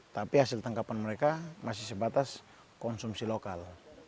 tapi hasil tangkapan mereka masih sebatas konsumsi lokal